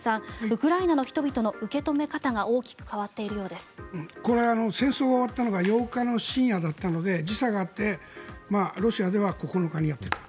ウクライナの人々の受け止め方がこれは戦争が終わったのが８日の深夜だったので時差があってロシアでは９日にやっていた。